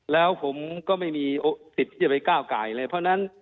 แล้วผมก็ไม่มีสิทธิ์ที่จะไปก้าวไก่เลยเพราะฉะนั้น